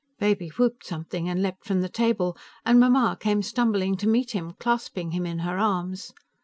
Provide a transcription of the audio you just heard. Baby whooped something and leaped from the table, and Mamma came stumbling to meet him, clasping him in her arms.